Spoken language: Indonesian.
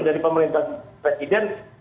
dari pemerintah presiden